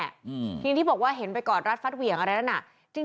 ทีนี้ที่บอกก่อศรนรักษ์ฟัสเวียงอะไรนั้น